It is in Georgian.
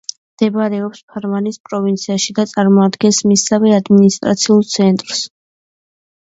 მდებარეობს ფარვანის პროვინციაში და წარმოადგენს მისსავე ადმინისტრაციულ ცენტრს.